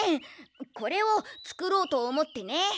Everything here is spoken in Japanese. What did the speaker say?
これをつくろうとおもってね。